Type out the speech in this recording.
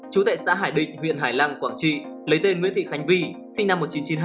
chú tại xã hải định huyện hải lăng quảng trị lấy tên nguyễn thị khánh vi sinh năm một nghìn chín trăm chín mươi hai